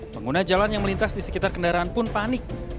pengguna jalan yang melintas di sekitar kendaraan pun panik